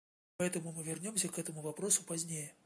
Поэтому мы вернемся к этому вопросу позднее.